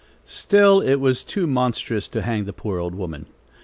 Still it was too monstrous to hang the poor old woman.